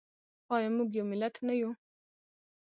آیا موږ یو ملت نه یو؟